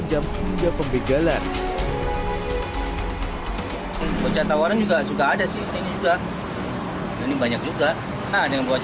jam hingga pembegalan pencetak warna juga juga ada sih sini juga ini banyak juga ada yang buat